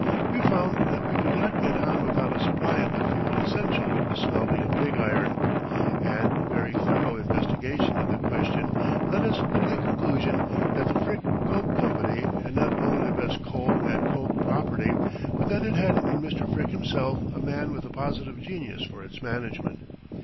We found that we could not get on without a supply of the fuel essential to the smelting of pig iron; and a very thorough investigation of the question led us to the conclusion that the Frick Coke Company had not only the best coal and coke property, but that it had in Mr. Frick himself a man with a positive genius for its management.